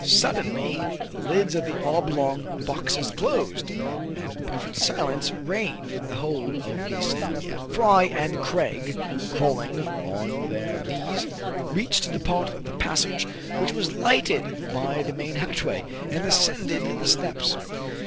Suddenly the lids of the oblong boxes closed, and perfect silence reigned in the hold of the "Sam Yep." Fry and Craig, crawling on their knees, reached the part of the passage which was lighted by the main hatchway, and ascended the steps.